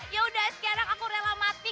yaudah sekarang aku rela mati